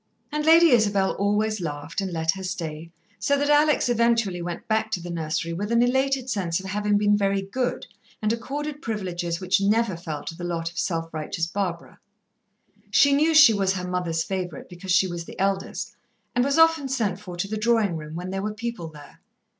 And Lady Isabel always laughed, and let her stay, so that Alex eventually went back to the nursery with an elated sense of having been very good, and accorded privileges which never fell to the lot of self righteous Barbara. She knew she was her mother's favourite, because she was the eldest, and was often sent for to the drawing room when there were people there.